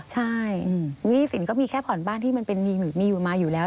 ใช่หนี้สินก็มีแค่ผอนบ้านที่มีมาอยู่แล้ว